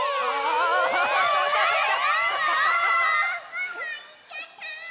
ワンワンいっちゃった！